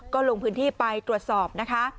ก็ลงพื้นที่ไปตรวจสอบนะคะ